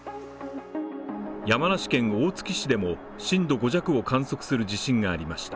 山梨県大月市でも震度５弱を観測する地震がありました。